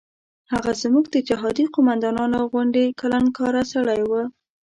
هغه زموږ د جهادي قوماندانانو غوندې کلانکاره سړی و.